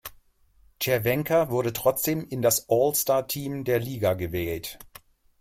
Červenka wurde trotzdem in das All-Star-Team der Liga gewählt.